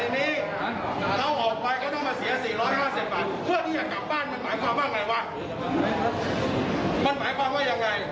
มันหมายความว่ายังไงตอบผมหน่อยที่จะพูดว่า